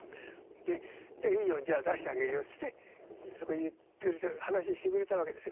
で「いいよじゃ出してあげるよ」っつってそこに話してくれたわけですよね